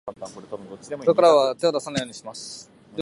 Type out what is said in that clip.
これからは、手も出さないようにします。